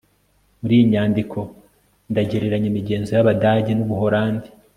muri iyi nyandiko, ndagereranya imigenzo yabadage nu buholandi